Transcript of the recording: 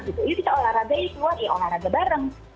yuk kita olahraga ini keluar ya olahraga bareng